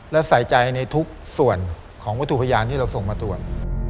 และใส่ใจในทุกส่วนของวัตถุพยานที่เราส่งมาตรวจ